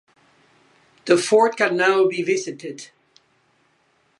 The fort can now be visited.